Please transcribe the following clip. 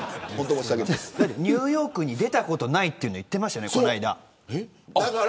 ニューヨークに出たことないと言ってましたよね、この間。